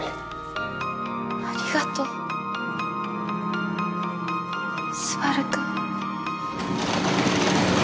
ありがとう昴くん。